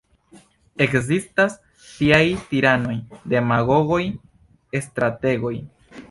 Ekzistas tiaj tiranoj, demagogoj, strategoj.